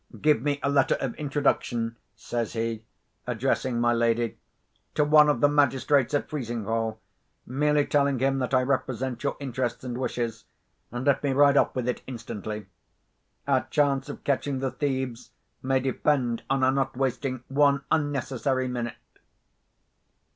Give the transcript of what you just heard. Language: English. Give me a letter of introduction," says he, addressing my lady, "to one of the magistrates at Frizinghall—merely telling him that I represent your interests and wishes, and let me ride off with it instantly. Our chance of catching the thieves may depend on our not wasting one unnecessary minute."